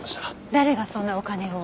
誰がそんなお金を？